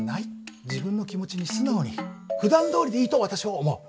自分の気持ちに素直にふだんどおりでいいと私は思う。